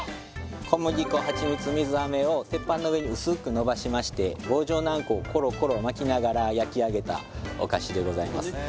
小麦粉蜂蜜水飴を鉄板の上に薄く伸ばしまして棒状の餡子をコロコロ巻きながら焼きあげたお菓子でございます